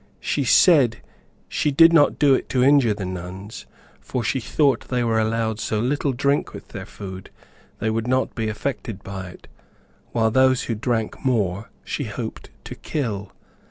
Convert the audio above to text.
She said she did not do it to injure the nuns, for she thought they were allowed so little drink with their food, they would not be affected by it, while those who drank more, she hoped to kill.